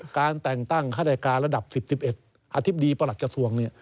การแต่งตั้งฆาตการระดับ๑๑อธิบดีประหลัดกระทรวง